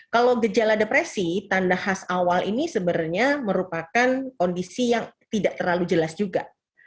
kalau gejala depresi tanda khas awal ini sebenarnya merupakan kondisi yang tidak terlalu jelas juga